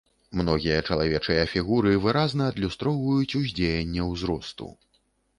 Многія чалавечыя фігуры выразна адлюстроўваюць уздзеянне ўзросту.